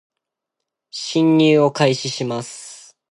進入を開始します